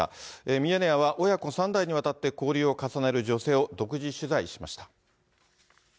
ミヤネ屋は親子３代にわたって交流を重ねる女性を独自取材しました。